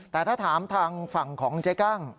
แต่ถ้าถามทางฝั่งของเจ๊กั้ง